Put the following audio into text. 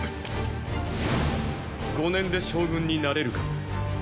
五年で将軍になれるか？